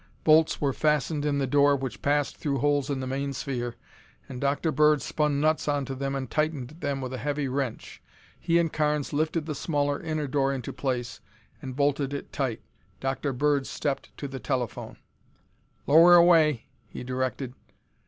Bolts were fastened in the door which passed through holes in the main sphere, and Dr. Bird spun nuts onto them and tightened them with a heavy wrench. He and Carnes lifted the smaller inner door into place and bolted it tight. Dr. Bird stepped to the telephone. "Lower away," he directed.